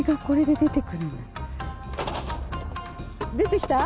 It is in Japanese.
出てきた？